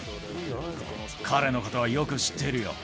彼のことはよく知っているよ。